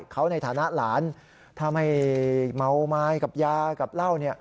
เขาในฐานะหลานถ้าไม่เมาไม้กับยากับเหล้าเนี่ย